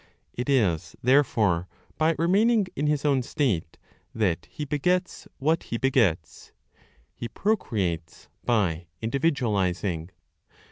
It is therefore by remaining in His own state that He begets what He begets; He procreates by individualizing.